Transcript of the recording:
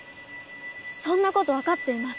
そんなことわかっています。